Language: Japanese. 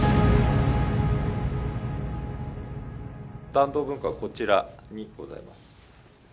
團藤文庫はこちらにございます。